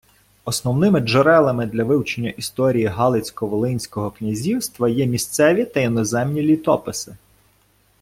Основними джерелами для вивчення історії Галицько-Волинського князівства є місцеві та іноземні літописи.